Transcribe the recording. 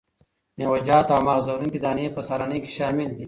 میوه جات او مغذ لرونکي دانې په سهارنۍ کې شامل دي.